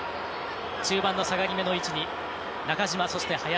中盤の下がりめの位置に中島、林。